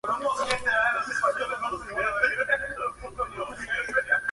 No todos los miembros de su familia estaban de acuerdo su decisión.